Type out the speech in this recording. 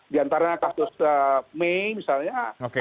diantaranya kasus mei misalnya